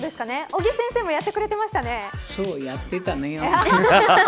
尾木先生もやってくれていましたね。